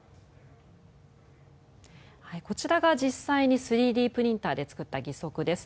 こちらが実際に３Ｄプリンターで作った義足です。